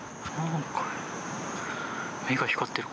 目が光ってる。